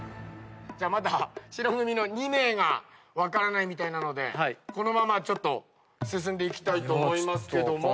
まだ白組の２名が分からないみたいなのでこのまま進んでいきたいと思いますけども。